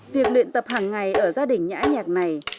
việc luyện tập hàng ngày ở gia đình nhã nhạc này